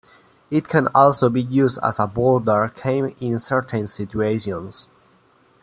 It can also be used as a border came in certain situations.